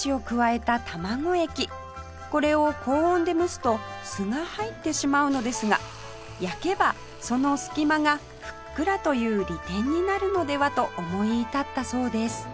これを高温で蒸すと「す」が入ってしまうのですが焼けばその隙間が「ふっくら」という利点になるのではと思い至ったそうです